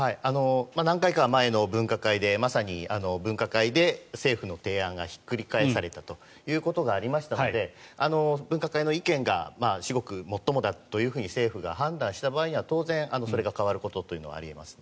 何回か前の分科会でまさに分科会で政府の提案がひっくり返されたということがありましたので分科会の意見が至極もっともだというふうに政府が判断した場合は当然それが変わることはあり得ますね。